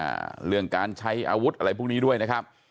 อ่าเรื่องการใช้อาวุธอะไรพวกนี้ด้วยนะครับ